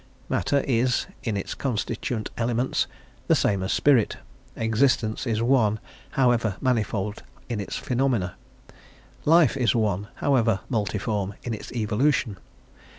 Matter is, in its constituent elements, the same as spirit; existence is one, however manifold in its phenomena; life is one, however multiform in its evolution.